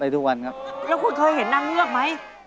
ทุกวันครับแล้วคุณเคยเห็นนางเงือกไหม